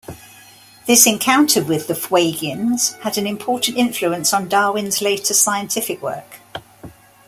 This encounter with the Fuegians had an important influence on Darwin's later scientific work.